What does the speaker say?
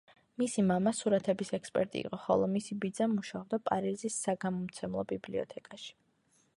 მისი მამა სურათების ექსპერტი იყო, ხოლო მისი ბიძა მუშაობდა პარიზის საგამომცემლო ბიბლიოთეკაში.